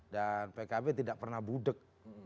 dan pkb tidak pernah budeg